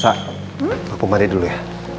sa aku mau mandi dulu ya